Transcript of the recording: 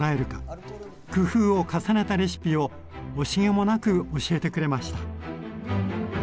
工夫を重ねたレシピを惜しげもなく教えてくれました。